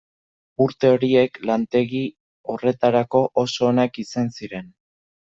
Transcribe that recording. Urte horiek lantegi horretarako oso onak izan ziren.